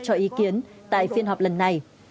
cho ý kiến tại phiên họp lần này